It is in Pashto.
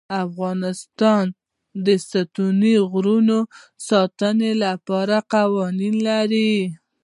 افغانستان د ستوني غرونه د ساتنې لپاره قوانین لري.